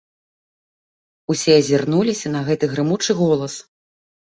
Усе азірнуліся на гэты грымучы голас.